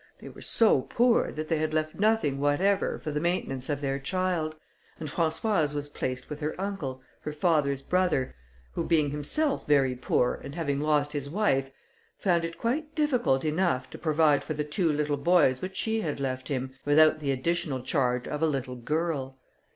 They were so poor, that they had left nothing whatever for the maintenance of their child, and Françoise was placed with her uncle, her father's brother, who being himself very poor and having lost his wife, found it quite difficult enough to provide for the two little boys which she had left him, without the additional charge of a little girl.